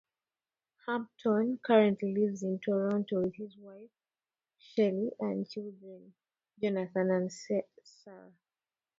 Hampton currently lives in Toronto with his wife Shelley and children Jonathon and Sarah.